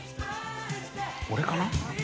俺かな？